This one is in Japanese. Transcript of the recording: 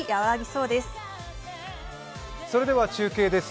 それでは中継です。